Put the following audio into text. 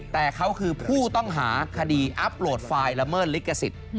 แต่เขาคือผู้ต้องหาคดีอัพโหลดไฟล์ละเมิดลิขสิทธิ์